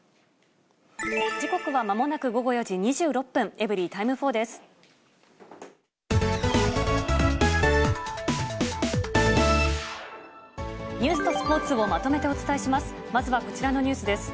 時刻はまもなく午後４時２６分、エブリィタイム４です。